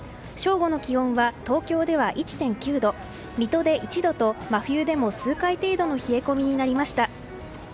正午の気温は東京では１．９度水戸で１度と、真冬でも数回程度の冷え込みになりました。